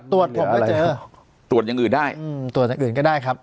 ตรวจผมไม่เจอตรวจอย่างอื่นได้ตรวจอย่างอื่นก็ได้ครับ